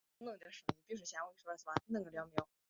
巨突顶冠节蜱为节蜱科顶冠节蜱属下的一个种。